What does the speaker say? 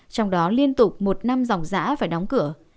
trong đó liên tục một năm dòng giã phải đóng cửa